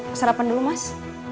masa apaan dulu mas